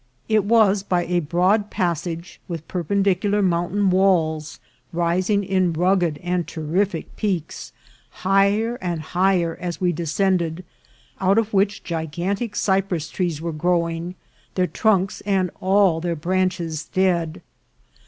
It was by a broad passage with perpendicular mountain walls, rising in rugged and terrific peaks, higher and higher as we de scended, out of which gigantic cypress trees were grow ing, their trunks and all their branches dead.